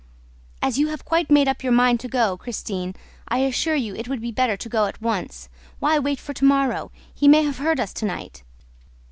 "As you have quite made up your mind to go, Christine, I assure you it would be better to go at once. Why wait for to morrow? He may have heard us to night."